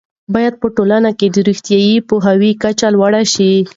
باید په ټولنه کې د روغتیايي پوهاوي کچه لوړه شي.